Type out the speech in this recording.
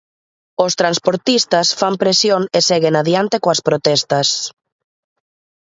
Os transportistas fan presión e seguen adiante coas protestas.